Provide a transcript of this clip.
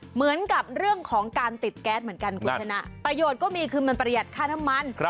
เหมือนกับเรื่องของการติดแก๊สเหมือนกันคุณชนะประโยชน์ก็มีคือมันประหยัดค่าน้ำมัน